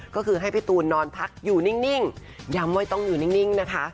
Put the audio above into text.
ก็คือให้พี่ตูนนอนพักอยู่นิ่งย้ำว่าต้องอยู่นิ่งนะคะ